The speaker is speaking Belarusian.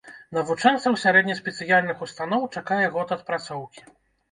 Навучэнцаў сярэдне-спецыяльных устаноў чакае год адпрацоўкі.